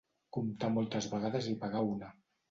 Comptar moltes vegades i pagar una.